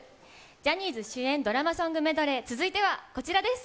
ジャニーズ主演ドラマソングメドレー、続いてはこちらです。